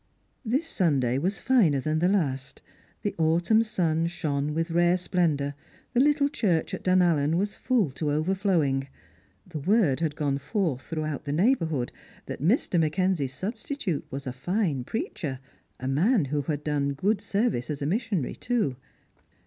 This Sunday was finer than the last. The autumn sun shone with rare splendour, the little church at Dunallen was full to overflowing. The word had gone forth throughout the neigh bourhood that Mr. Mackenzie's substitute was a fine preacher, a man who had done good service as a missionary, too.